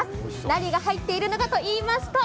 何が入っているのかといいますと。